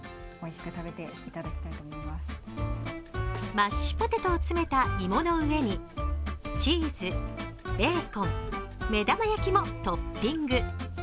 マッシュポテトを詰めた芋の上にチーズ、ベーコン、目玉焼きもトッピング。